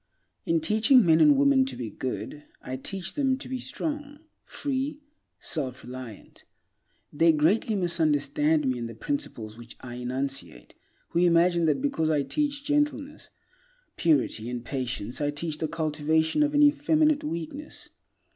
In teaching men and women to be good, I teach them to be strong, free, self reliant. They will greatly misunderstand me and the principles which I enunciate who imagine that because I teach gentleness, purity, and patience I teach the cultivation of an effeminate weakness.